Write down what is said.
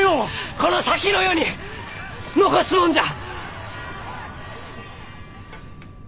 この先の世に残すもんじゃ！